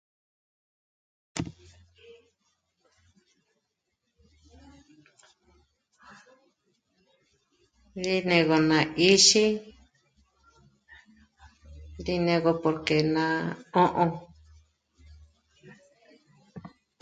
Rí né'egö rá 'íxi, rí né'egö porké ná 'ṑ'ō